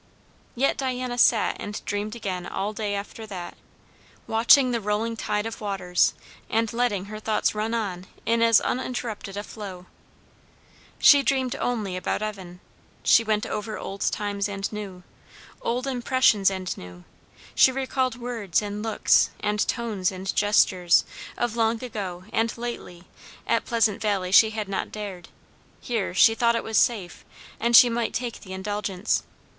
Yet Diana sat and dreamed again all day after that, watching the rolling tide of waters, and letting her thoughts run on in as uninterrupted a flow. She dreamed only about Evan; she went over old times and new, old impressions and new; she recalled words and looks and tones and gestures, of long ago and lately; at Pleasant Valley she had not dared; here she thought it was safe, and she might take the indulgence.